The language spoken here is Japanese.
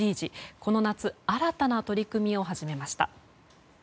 この夏、新たな取り組みを始めました。